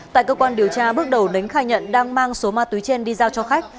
tại cơ quan điều tra bước đầu đính khai nhận đang mang số ma túy trên đi giao cho khách